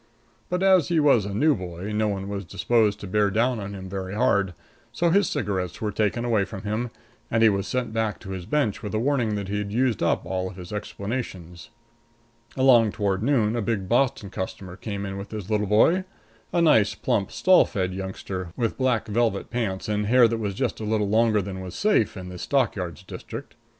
But as he was a new boy, no one was disposed to bear down on him very hard, so his cigarettes were taken away from him and he was sent back to his bench with a warning that he had used up all his explanations. Along toward noon, a big Boston customer came in with his little boy a nice, plump, stall fed youngster, with black velvet pants and hair that was just a little longer than was safe in the stock yards district.